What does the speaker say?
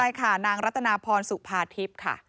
ใช่ค่ะนางรัตนาพรสุภาทิพย์ค่ะ